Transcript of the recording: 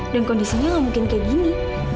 dan kondisinya gak mungkin kayak gini